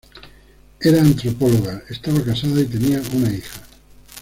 Era antropóloga, estaba casada y tenía una hija.